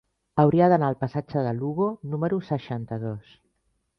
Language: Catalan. Hauria d'anar al passatge de Lugo número seixanta-dos.